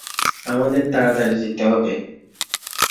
আমাদের তাড়াতাড়ি যেতে হবে।